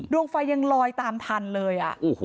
ดวงไฟยังลอยตามทันเลย